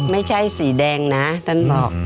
ไม่ใช่สีแดงนะท่านบอก